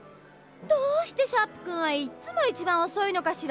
どうしてシャープくんはいっつも一番おそいのかしら。